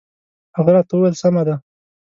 هغه راته وویل سمه ده.